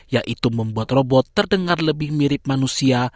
yaitu membuat robot terdengar lebih mirip manusia